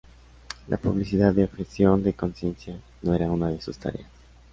La publicidad de objeción de conciencia no era una de sus tareas.